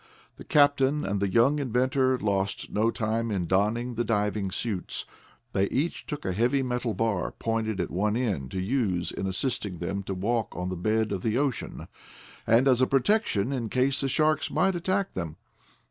The captain and the young inventor lost no time in donning the diving suits. They each took a heavy metal bar, pointed at one end, to use in assisting them to walk on the bed of the ocean, and as a protection in case the sharks might attack them.